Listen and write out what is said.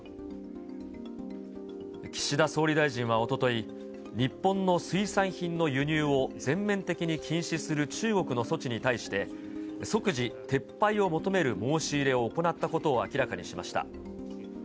岸田総理大臣はおととい、日本の水産品の輸入を全面的に禁止する中国の措置に対して、即時撤廃を求める申し入れを行ったことを明らかにしました。